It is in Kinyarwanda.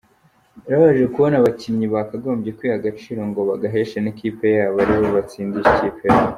Birababaje kubona abakinnyi bakagombye kwiha agaciro ngo bagaheshe nikipe yabo aribo batsindisha ikipe yabo.